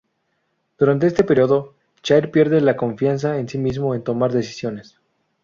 Durante este período, Char pierde la confianza en sí mismo en tomar decisiones.